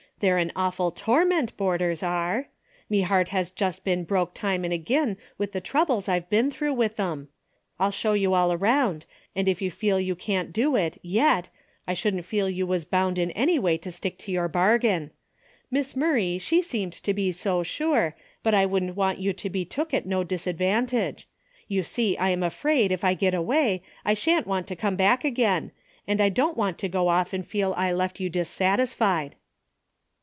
They're an awful torment, boarders are ! Me heart has just been broke time an' again with the troubles I've been through with them. I'll show you all around, and if you feel you can't do it, yet, I shouldn't feel you was bound in any way to stick to your bargain. Miss Mur ray she seemed to be so sure, but I wouldn't want you to be took at no disadvantage. You see I am afraid, if I get away, I shan't want to come back again, and I don't want to go off and feel I left you dissatisfied."